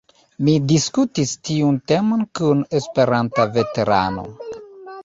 Mi diskutis tiun temon kun Esperanta veterano.